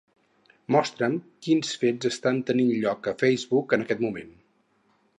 Mostra'm quins fets estan tenint lloc a Facebook en aquest moment.